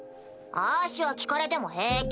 あしは聞かれても平気。